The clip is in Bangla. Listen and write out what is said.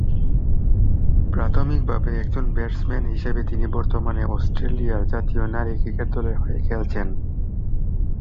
প্রাথমিকভাবে একজন ব্যাটসম্যান হিসেবে তিনি বর্তমানে অস্ট্রেলিয়ার জাতীয় নারী ক্রিকেট দলের হয়ে খেলছেন।